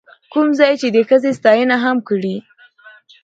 کوم ځاى يې چې د ښځې ستاينه هم کړې،،